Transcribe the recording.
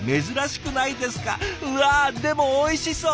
うわでもおいしそう。